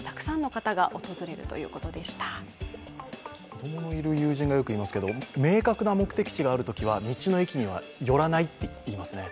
子供のいる友人がよく言いますけど明確な目的地があるときには道の駅には寄らないって言いますね。